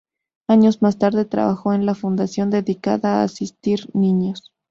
Años más tarde trabajó en una fundación dedicada a asistir niños.